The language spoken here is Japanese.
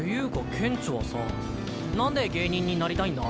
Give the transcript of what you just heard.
ケンチョはさなんで芸人になりたいんだ？